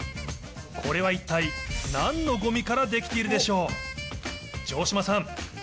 これは一体、なんのごみから出来ているでしょう？